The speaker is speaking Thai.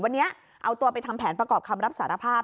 วันนี้เอาตัวไปทำแผนประกอบคำรับสารภาพ